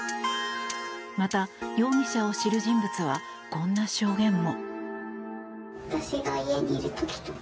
また、容疑者を知る人物はこんな証言も。